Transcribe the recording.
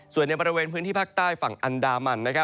ส่วนในบริเวณพื้นที่ภาคใต้ฝั่งอันดามัน